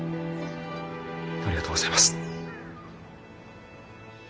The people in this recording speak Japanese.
ありがとうございます。